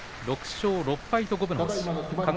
６勝６敗と五分の星。